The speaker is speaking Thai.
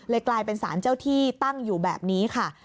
กลายเป็นสารเจ้าที่ตั้งอยู่แบบนี้ค่ะ